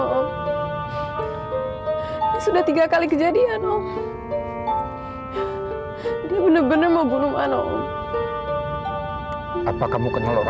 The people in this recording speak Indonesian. kalau sekarang kita tak tahu apa yang paling menentang tahun selanjutnya